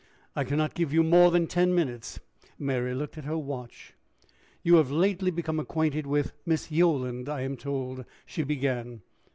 "I can not give you more than ten minutes." Mary looked at her watch. "You have lately become acquainted with Miss Yolland, I am told," she began.